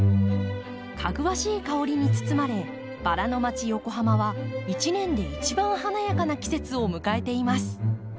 かぐわしい香りに包まれバラの街横浜は一年で一番華やかな季節を迎えています。